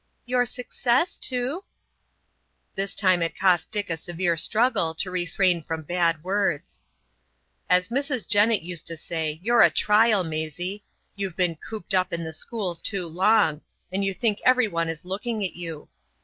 "Your success too?" This time it cost Dick a severe struggle to refrain from bad words. "As Mrs. Jennett used to say, you're a trial, Maisie! You've been cooped up in the schools too long, and you think every one is looking at you.